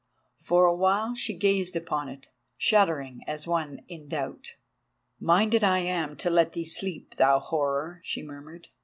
For awhile she gazed upon it, shuddering, as one in doubt. "Minded I am to let thee sleep, thou Horror," she murmured.